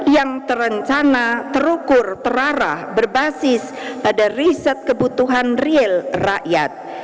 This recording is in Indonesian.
yang terencana terukur terarah berbasis pada riset kebutuhan real rakyat